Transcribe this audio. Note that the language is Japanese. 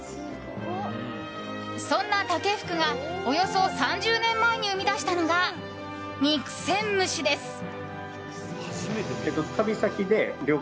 そんな竹福が、およそ３０年前に生み出したのが肉鮮蒸しです。